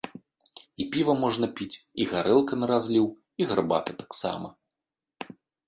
І піва можна піць, і гарэлка на разліў, і гарбата таксама!